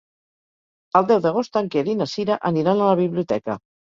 El deu d'agost en Quer i na Cira aniran a la biblioteca.